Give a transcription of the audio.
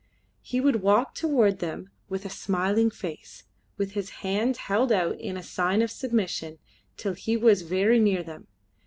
He would walk toward them with a smiling face, with his hands held out in a sign of submission till he was very near them.